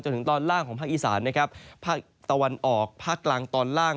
ถึงตอนล่างของภาคอีสานนะครับภาคตะวันออกภาคกลางตอนล่าง